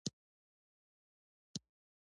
د هر ډول دعوو د ګټلو طریقې یې زده کړې وې.